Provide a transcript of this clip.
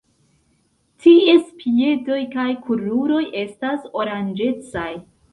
Ties piedoj kaj kruroj estas oranĝecaj.